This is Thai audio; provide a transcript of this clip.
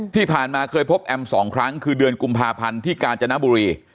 ที่ผ่านมาเคยพบแอมสองครั้งคือเดือนกุมภาพันธ์ที่กาญจนบุรี